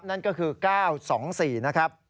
นั่นก็คือ๙๒๔นะครับ